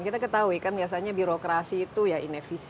kita ketahui kan biasanya birokrasi itu ya inefisiensi